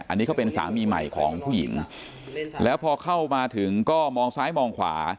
อันนี้เขาเป็นสามีใหม่ของผู้หญิงแล้วพอเข้ามาถึงก็มองซ้ายมองขวา